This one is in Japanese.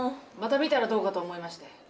また見たらどうかと思いまして。